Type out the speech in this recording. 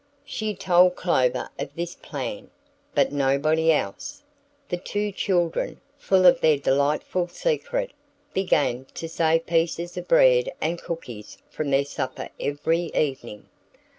She told Clover of this plan, but nobody else. The two children, full of their delightful secret, began to save pieces of bread and cookies from their supper every evening.